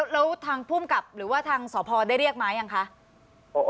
แล้วทางผู้มกรับหรือว่าทางสอบพอได้เรียกมายังคะ